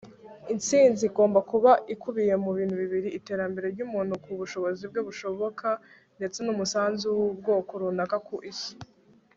intsinzi igomba kuba ikubiyemo ibintu bibiri iterambere ry'umuntu ku bushobozi bwe bushoboka ndetse n'umusanzu w'ubwoko runaka ku isi